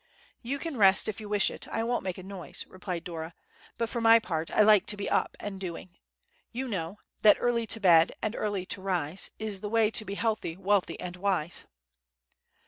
"You can rest if you wish it; I won't make a noise," replied Dora. "But for my part I like to be up and doing. You know that: 'Early to bed, and early to rise, Is the way to be healthy, wealthy, and wise.